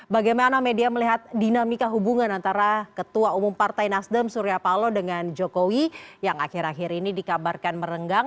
bagaimana media melihat dinamika hubungan antara ketua umum partai nasdem surya palo dengan jokowi yang akhir akhir ini dikabarkan merenggang